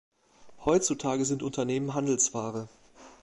Heutzutage sind Unternehmen Handelsware.